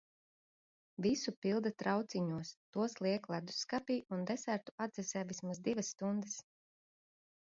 Visu pilda trauciņos, tos liek ledusskapī un desertu atdzesē vismaz divas stundas.